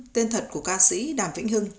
tên thật của ca sĩ đàm vĩnh hưng